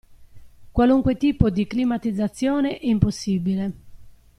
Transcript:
Qualunque tipo di climatizzazione è impossibile.